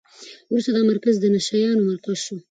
وروسته دا مرکز د نشه یانو مرکز شو.